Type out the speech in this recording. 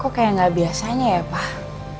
kok kayak nggak biasanya ya pak